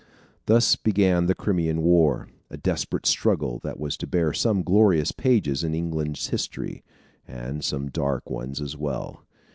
Thus began the Crimean War, a desperate struggle that was to bear some glorious pages in England's history, and some dark ones as well.